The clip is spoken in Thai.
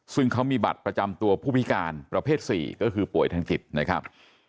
ซึ่งเขามีบัตรประจำตัวผู้พิการประเภท๔ก็คือป่วยทางจิตนะครับ